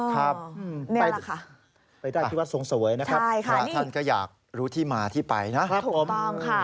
ครับไปได้ที่วัดทรงสวยนะครับพระท่านก็อยากรู้ที่มาที่ไปนะครับผม